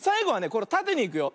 これたてにいくよ。